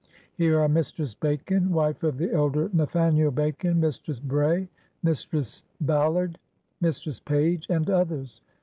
Here are Mistress Bacon (wife of the elder Na thaniel Bacon), Mistress Bray, Mistress Ballard, Mistress Page, and others.